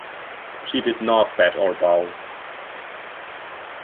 She did not bat or bowl.